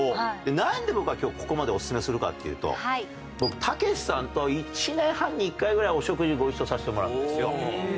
なんで僕が今日ここまでオススメするかっていうと僕たけしさんと１年半に１回ぐらいお食事ご一緒させてもらうんですよ。